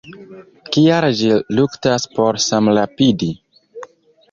Kial ĝi luktas por samrapidi?